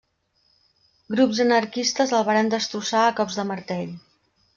Grups anarquistes el varen destrossar a cops de martell.